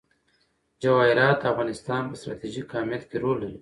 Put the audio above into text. جواهرات د افغانستان په ستراتیژیک اهمیت کې رول لري.